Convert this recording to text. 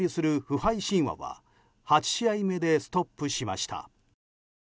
不敗神話は８試合目でストップしました。